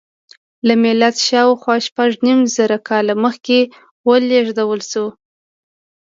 له میلاده شاوخوا شپږ نیم زره کاله مخکې ولېږدول شوه.